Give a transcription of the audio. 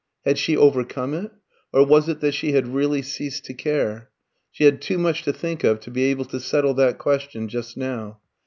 Had she overcome it? Or was it that she had really ceased to care? She had too much to think of to be able to settle that question just now.